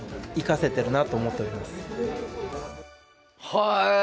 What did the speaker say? へえ！